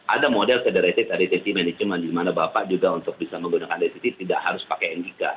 ada model federated retsi management di mana bapak juga untuk bisa menggunakan retsi tidak harus pakai nik